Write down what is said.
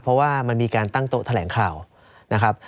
เพราะว่ามันมีการตั้งโต๊ะแถลงข่าวนะครับ